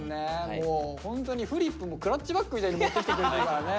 もうホントにフリップもクラッチバッグみたいに持ってきてくれてるからね。